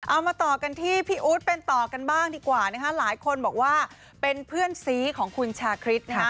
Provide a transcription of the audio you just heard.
เอามาต่อกันที่พี่อู๊ดเป็นต่อกันบ้างดีกว่านะคะหลายคนบอกว่าเป็นเพื่อนซีของคุณชาคริสนะฮะ